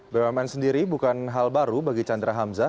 bumn sendiri bukan hal baru bagi chandra hamzah